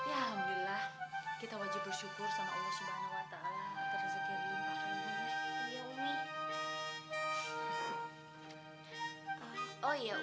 alhamdulillah kita wajib bersyukur sama allah subhanahu wa ta'ala terizatiyah di lupa kami ya umi